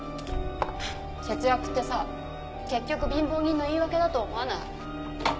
節約ってさ結局貧乏人の言い訳だと思わない？